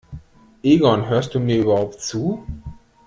Egon, hörst du mir überhaupt zu?